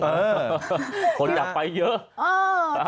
คนอยากไปเยอะ